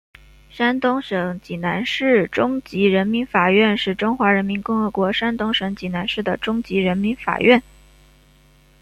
山东省济南市中级人民法院是中华人民共和国山东省济南市的中级人民法院。